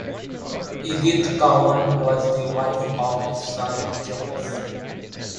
Edith Cowan was the wife of his son James.